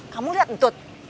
kamu lihat untut